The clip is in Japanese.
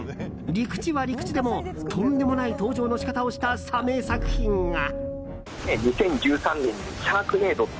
陸地は陸地でもとんでもない登場の仕方をしたサメ作品が。